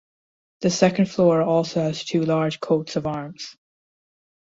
The second floor also has two large coats of arms.